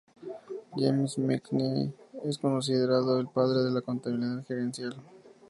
James O. McKinsey es considerado el padre de la Contabilidad Gerencial.